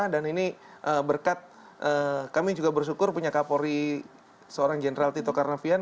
dan ini berkat kami juga bersyukur punya kak pori seorang general tito karnavian